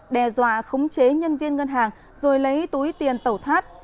đe dọa khống chế nhân viên ngân hàng rồi lấy túi tiền tẩu thoát